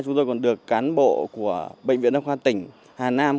chúng tôi còn được cán bộ của bệnh viện đa khoa tỉnh hà nam